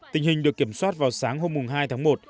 tình hình được kiểm soát vào sáng hôm hai tháng một